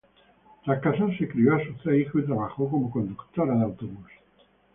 Tras casarse, crio a sus tres hijos y trabajó como conductora de autobús.